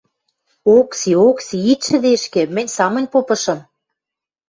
Окси, Окси, ит шӹдешкӹ, мӹнь самынь попышым!..